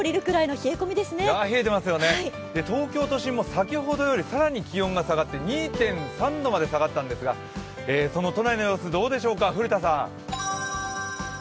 冷えてますよね、東京都心も先ほどより更に気温が下がって２．３度まで下がったんですがその都内の様子、どうでしょうか。